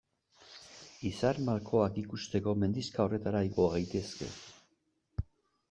Izar malkoak ikusteko mendixka horretara igo gaitezke.